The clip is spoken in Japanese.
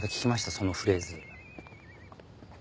そのフレーズ。